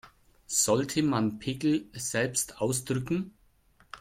Sollte man Pickel selbst ausdrücken?